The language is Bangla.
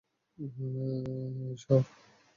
এই, সর!